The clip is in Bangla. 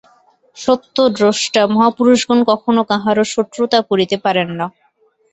সত্যদ্রষ্টা মহাপুরুষগণ কখনও কাহারও শত্রুতা করিতে পারেন না।